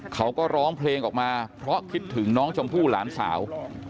เขาก็ร้องเพลงออกมาเพราะคิดถึงน้องชมพู่หลานสาว